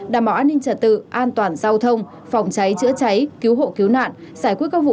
đảm bảo an ninh trật tự an toàn giao thông phòng cháy chữa cháy cứu hộ cứu nạn giải quyết các vụ